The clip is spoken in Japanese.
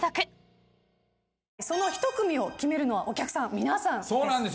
その一組を決めるのはお客さん皆さんです。